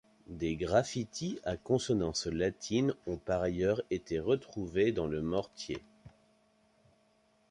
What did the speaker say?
Des graffitis à consonance latine ont par ailleurs été retrouvés dans le mortier.